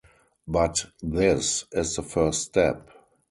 But this is the first step.